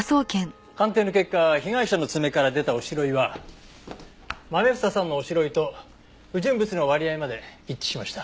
鑑定の結果被害者の爪から出た白粉はまめ房さんの白粉と不純物の割合まで一致しました。